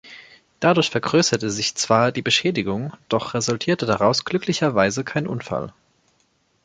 Dadurch vergrößerte sich zwar die Beschädigung, doch resultierte daraus glücklicherweise kein Unfall.